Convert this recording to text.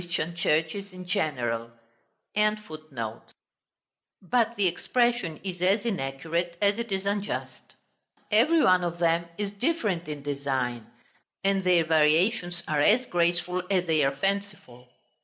Hope calls them "indifferently imitated from the Corinthian:" but the expression is as inaccurate as it is unjust; every one of them is different in design, and their variations are as graceful as they are fanciful.